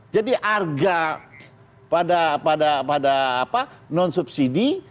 jadi arga pada non subsidi